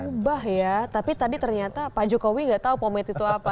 diubah ya tapi tadi ternyata pak jokowi gak tau pomade itu apa